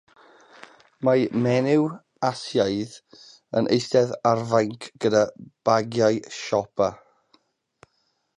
Mae menyw Asiaidd yn eistedd ar fainc gyda bagiau siopa.